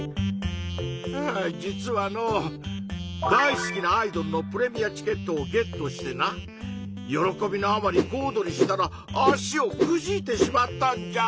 はぁ実はのう大好きなアイドルのプレミアチケットをゲットしてな喜びのあまりこおどりしたら足をくじいてしまったんじゃ！